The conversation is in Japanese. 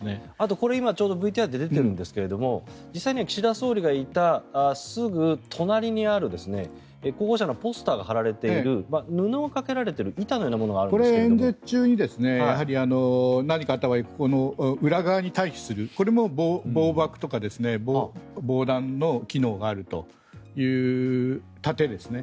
これ、今ちょうどＶＴＲで出ているんですが実際には岸田総理がいたすぐ隣にある候補者のポスターが貼られている布がかけられているこれは演説中に何かあった場合裏側に退避するこれも防爆とか防弾の機能がある盾ですね。